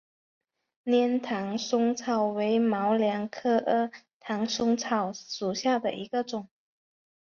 粘唐松草为毛茛科唐松草属下的一个种。